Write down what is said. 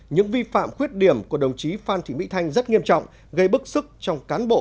những vi phạm khuyết điểm của đồng chí phan thị mỹ thanh rất nghiêm trọng gây bức xúc trong cán bộ